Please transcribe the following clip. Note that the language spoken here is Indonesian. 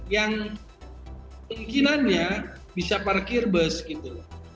yang mungkinannya bisa parkir bus gitu